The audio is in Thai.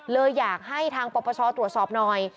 เลยอยากให้ทางปปชตรวจสอบหน่อย